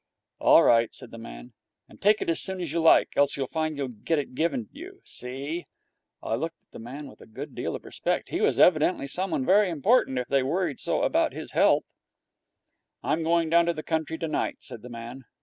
'All right!' said the man. 'And take it as soon as you like. Else you'll find you'll get it given you. See?' I looked at the man with a good deal of respect. He was evidently someone very important, if they worried so about his health. 'I'm going down to the country tonight,' said the man.